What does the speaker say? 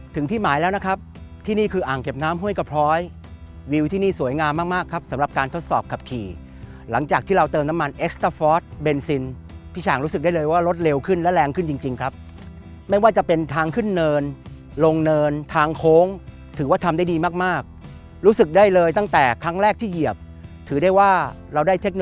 ที่หมายแล้วนะครับที่นี่คืออ่างเก็บน้ำห้วยกระพร้อยวิวที่นี่สวยงามมากมากครับสำหรับการทดสอบขับขี่หลังจากที่เราเติมน้ำมันเอ็กซ์ตาฟอร์สเบนซินพี่ฉางรู้สึกได้เลยว่ารถเร็วขึ้นและแรงขึ้นจริงครับไม่ว่าจะเป็นทางขึ้นเนินลงเนินทางโค้งถือว่าทำได้ดีมากรู้สึกได้เลยตั้งแต่ครั้งแรกที่เหยียบถือได้ว่าเราได้เทคโน